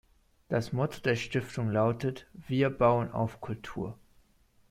Das Motto der Stiftung lautet "Wir bauen auf Kultur".